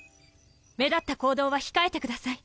目立った行動は控えてください。